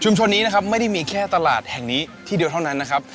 นี้นะครับไม่ได้มีแค่ตลาดแห่งนี้ที่เดียวเท่านั้นนะครับ